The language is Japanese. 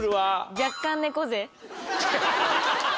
若干猫背。